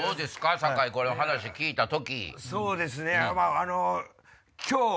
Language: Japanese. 酒井話聞いた時。